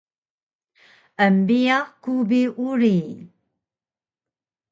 Embiyax ku bi uri